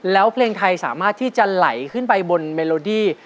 แล้วเพลงไทยสามารถที่จะไหลขึ้นไปบนเมโลดี้